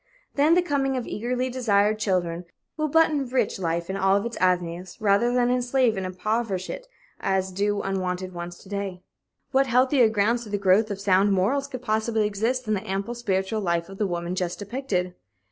Then the coming of eagerly desired children will but enrich life in all its avenues, rather than enslave and impoverish it as do unwanted ones to day. What healthier grounds for the growth of sound morals could possibly exist than the ample spiritual life of the woman just depicted?